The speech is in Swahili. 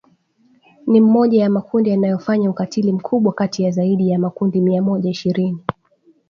ni mmoja ya makundi yanayofanya ukatili mkubwa kati ya zaidi ya makundi mia moja ishirini